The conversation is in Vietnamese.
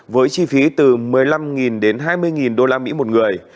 với chi phí từ một mươi năm đến hai mươi đô la mỹ một người